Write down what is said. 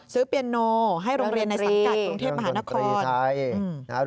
ซื้อเปียโนให้โรงเรียนในศัลกรรมกรุงเทพภาคนคร